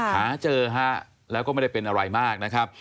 หาเจอฮะแล้วก็ไม่ได้เป็นอะไรมากนะครับ